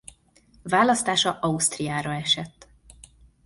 Választása Ausztriára esett.